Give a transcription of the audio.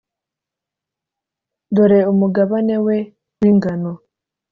dore umugabane we w’ingano,